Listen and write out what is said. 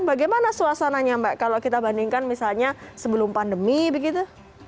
bagaimana suasananya mbak kalau kita bandingkan misalnya sebelum pandemi begitu